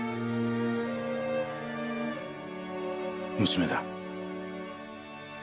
娘だ。